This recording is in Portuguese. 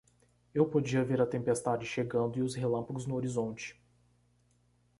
Eu podia ver a tempestade chegando e os relâmpagos no horizonte.